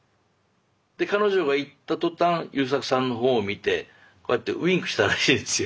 で彼女が行った途端優作さんの方を見てこうやってウインクしたらしいんですよ。